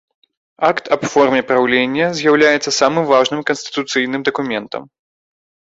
Акт аб форме праўлення з'яўляецца самым важным канстытуцыйным дакументам.